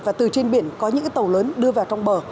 và từ trên biển có những tàu lớn đưa vào trong bờ